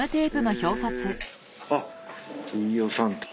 あっ飯尾さんと。